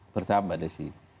bertahap mbak desy